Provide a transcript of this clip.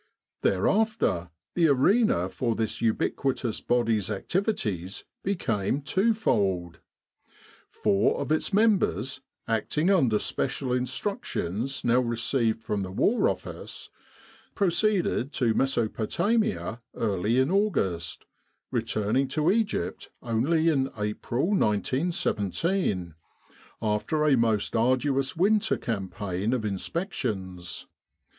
Thereafter the arena for this ubiquitous body's activities became twofold. Four of its members, acting under special instructions now re ceived from the War Office, proceeded to Mesopo tamia early in August, returning to Egypt only in April, 1917, after a most arduous winter campaign of inspections.